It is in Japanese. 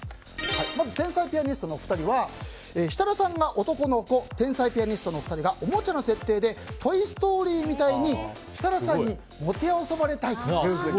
まず天才ピアニストのお二人は設楽さんが男の子天才ピアニストのお二人がおもちゃの設定で「トイ・ストーリー」みたいに設楽さんにもてあそばれたいというふうに。